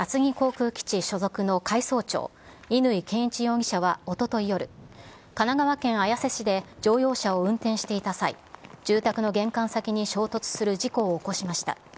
海上自衛隊厚木航空基地所属の海曹長、乾健一容疑者はおととい夜、神奈川県綾瀬市で乗用車を運転していた際、住宅の玄関先に衝突する事故を起こしました。